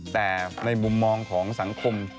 แต่ในมุมมองของสังคม